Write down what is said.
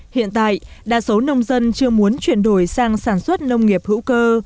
hiện tại đa số nông dân chưa muốn chuyển đổi sang sản xuất nông nghiệp hữu cơ